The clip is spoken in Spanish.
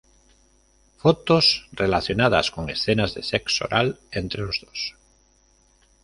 Fotos relacionadas con escenas de sexo oral entre los dos.